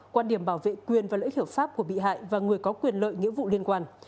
quan điểm bảo vệ quyền và lợi ích hợp pháp của bị hại và người có quyền lợi nghĩa vụ liên quan